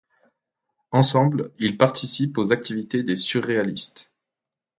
Ensemble, ils participent aux activités des surréalistes.